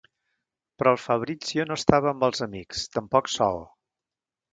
Però el Fabrizio no estava amb els amics; tampoc sol...